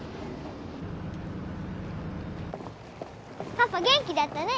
パパ元気だったね。